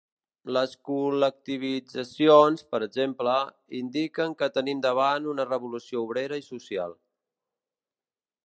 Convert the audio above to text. Les col·lectivitzacions, per exemple, indiquen que tenim davant una revolució obrera i social.